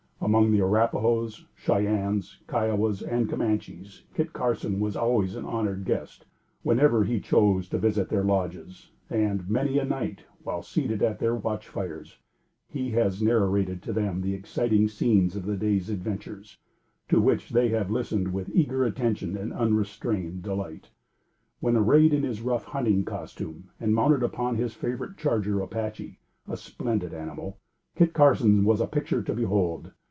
Among the Arrapahoes, Cheyennes, Kiowas and Camanches, Kit Carson was always an honored guest whenever he chose to visit their lodges; and, many a night, while seated at their watch fires, he has narrated to them the exciting scenes of the day's adventures, to which they have listened with eager attention and unrestrained delight. When arrayed in his rough hunting costume and mounted upon his favorite charger Apache, a splendid animal, Kit Carson was a picture to behold.